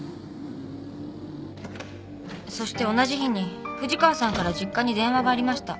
そして同じ日に藤川さんから実家に電話がありました。